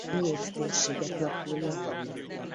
Nyílt térségek lakója.